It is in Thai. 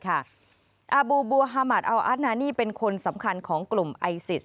อาบูบัวฮามัดอัลอาร์นานี่เป็นคนสำคัญของกลุ่มไอซิส